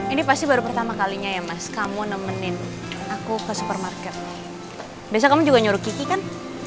ini pasti baru pertama kalinya ya mas kamu nemenin aku ke supermarket biasa kamu juga nyuruh kiki kan